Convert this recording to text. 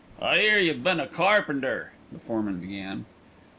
"I 'ear you've been a carpenter," the foreman began.